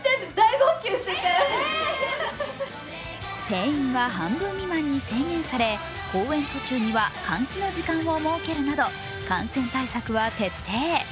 定員は半分未満に制限され、公演途中には換気の時間を設けるなど感染対策は徹底。